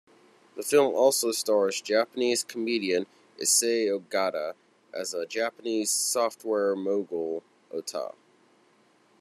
The film also stars Japanese comedian Issey Ogata as a Japanese software mogul, Ota.